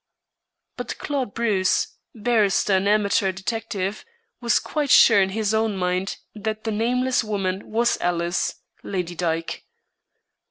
But Claude Bruce, barrister and amateur detective, was quite sure in his own mind that the nameless woman was Alice, Lady Dyke.